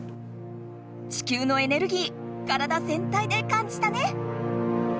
地球のエネルギー体ぜんたいで感じたね！